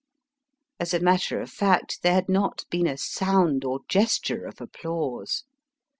As a matter of fact, there had not been a sound or gesture of applause.